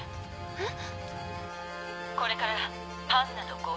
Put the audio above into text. えっ。